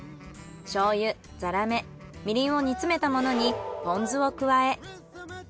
醤油ざらめみりんを煮詰めたものにポン酢を加え。